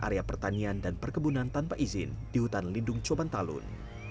area pertanian dan perkebunan tanpa izin di hutan lindung coban talun